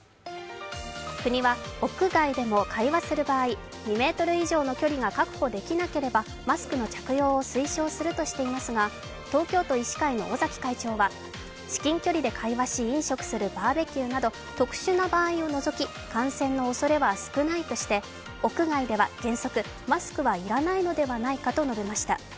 国は屋外でも会話する場合、２ｍ以上の距離が確保できなければマスクの着用を推奨するとしていますが東京都医師会の尾崎会長は至近距離で会話し飲食するバーベキューなど特殊な場合を除き、感染のおそれは少ないとして屋外では原則、マスクは要らないのではないかと述べました。